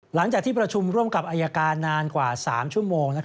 หลังจากที่ประชุมร่วมกับอายการนานกว่า๓ชั่วโมง